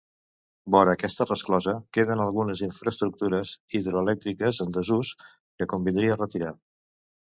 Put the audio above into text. Vora aquesta resclosa queden algunes infraestructures hidroelèctriques en desús, que convindria retirar.